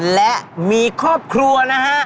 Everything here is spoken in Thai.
และมีครอบครัวนะฮะ